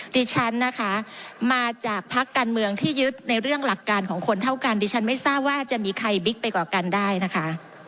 ดิฉันนะคะมาจากพักการเมืองที่ยึดในเรื่องหลักการของคนเท่ากันดิฉันไม่ทราบว่าจะมีใครบิ๊กไปกว่ากันได้นะคะ